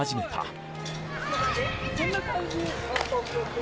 こんな感じ？